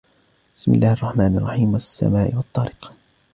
بِسْمِ اللَّهِ الرَّحْمَنِ الرَّحِيمِ وَالسَّمَاءِ وَالطَّارِقِ